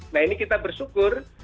nah ini kita bersyukur